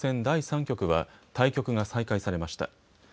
第３局は対局が再開されました。